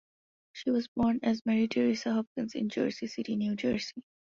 She was born as Mary Teresa Hopkins in Jersey City, New Jersey.